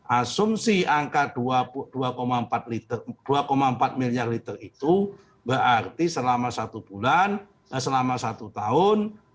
asumsi angka dua empat miliar liter itu berarti selama satu bulan selama satu tahun